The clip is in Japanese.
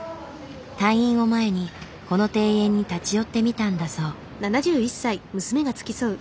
退院を前にこの庭園に立ち寄ってみたんだそう。